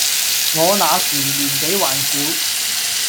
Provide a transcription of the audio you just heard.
我那時年紀還小，